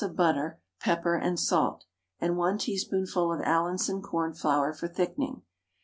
of butter, pepper and salt, and 1 teaspoonful of Allinson cornflour for thickening.